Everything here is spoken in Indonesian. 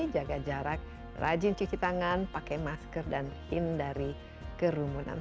jaga jarak rajin cuci tangan pakai masker dan hindari kerumunan